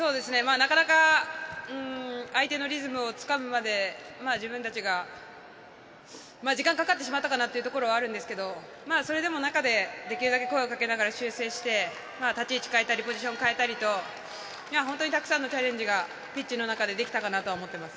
なかなか相手のリズムをつかむまで自分たちが時間かかってしまったかなというところはあるんですけどそれでも中でできるだけ声をかけながら修正して、立ち位置を変えたりポジションを変えたりと本当にたくさんのチャレンジがピッチの中でできたかなと思っています。